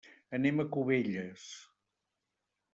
Anem a Cubelles.